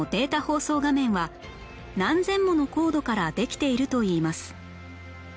放送画面は何千ものコードからできているといいます